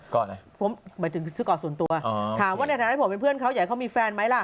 หมายถึงซื้อก่อนส่วนตัวถามว่าในฐานะผมเป็นเพื่อนเขาอยากให้เขามีแฟนไหมล่ะ